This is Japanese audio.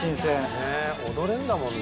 ねっ踊れんだもんね。